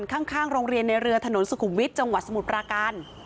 ข้างโรงเรียนในเรือถนนสุขุมวิทย์จังหวัดสมุทรปราการ